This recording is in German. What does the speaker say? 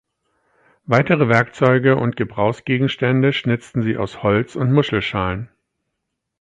Weitere Werkzeuge und Gebrauchsgegenstände schnitzten sie aus Holz und Muschelschalen.